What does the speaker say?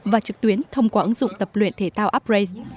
và trực tuyến thông qua ứng dụng tập luyện thể tạo upraise